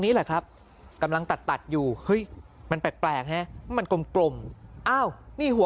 นี้แหละครับกำลังตัดอยู่เฮ้ยมันแปลกฮะมันกลมอ้าวนี่หัว